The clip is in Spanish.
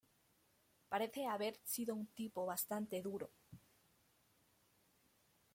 Parece haber sido un tipo bastante duro.